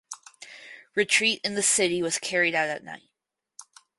Retreat in the city was carried out at night.